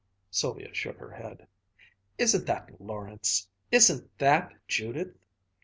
"'" Sylvia shook her head. "Isn't that Lawrence! Isn't that Judith!"